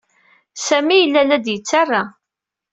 Sami yella la d-yettarra.